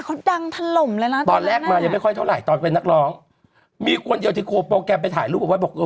คนเดียวที่โปรแกรมไปถ่ายรูปบอกว่า